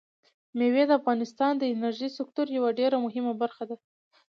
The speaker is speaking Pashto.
مېوې د افغانستان د انرژۍ سکتور یوه ډېره مهمه برخه ده.